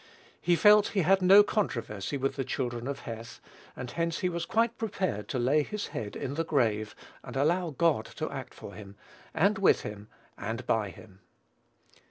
He felt he had no controversy with the children of Heth, and hence he was quite prepared to lay his head in the grave, and allow God to act for him, and with him, and by him.